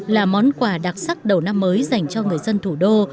là món quà đặc sắc đầu năm mới dành cho người dân thủ đô